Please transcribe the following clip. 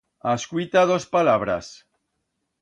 Ascuita dos palabras.